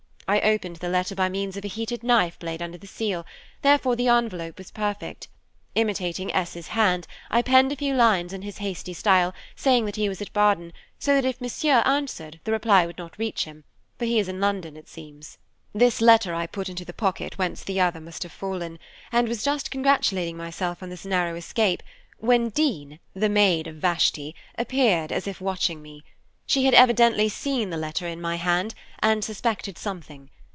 I opened the letter by means of a heated knife blade under the seal, therefore the envelope was perfect; imitating S.'s hand, I penned a few lines in his hasty style, saying he was at Baden, so that if Monsieur answered, the reply would not reach him, for he is in London, it seems. This letter I put into the pocket whence the other must have fallen, and was just congratulating myself on this narrow escape, when Dean, the maid of Vashti, appeared as if watching me. She had evidently seen the letter in my hand, and suspected something.